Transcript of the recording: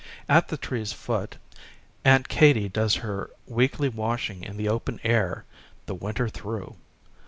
At the tree's foot. Aunt Katy does her weekly washing in the open air the winter through.